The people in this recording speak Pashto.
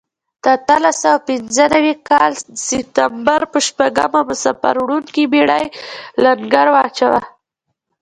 د اتلس سوه پنځه نوي کال سپټمبر په شپږمه مسافر وړونکې بېړۍ لنګر واچاوه.